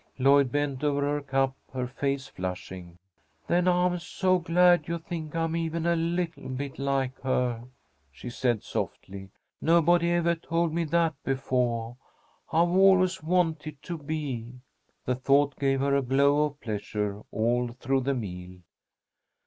Lloyd bent over her cup, her face flushing. "Then I'm so glad you think I'm even a little bit like her," she said, softly. "Nobody evah told me that befoah. I've always wanted to be." The thought gave her a glow of pleasure all through the meal.